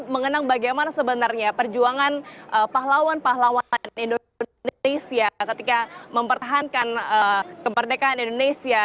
mengenang bagaimana sebenarnya perjuangan pahlawan pahlawan indonesia ketika mempertahankan kemerdekaan indonesia